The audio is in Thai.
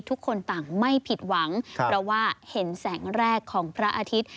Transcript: ทุกคนต่างไม่ผิดหวังเพราะว่าเห็นแสงแรกของพระอาทิตย์